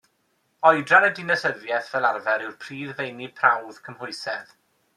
Oedran a dinasyddiaeth, fel arfer, yw'r prif feini prawf cymhwysedd.